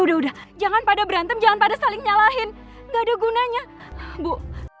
udah udah jangan pada berantem jangan pada saling nyalahin gak ada gunanya bu